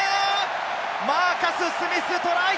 マーカス・スミス、トライ！